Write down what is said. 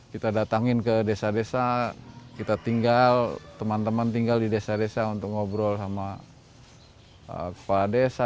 kita datangin ke desa desa kita tinggal teman teman tinggal di desa desa untuk ngobrol sama kepala desa